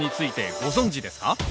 ご存じですか？